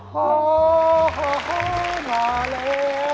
โฮโฮมาแล้ว